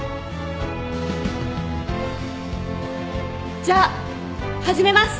じゃあ始めます！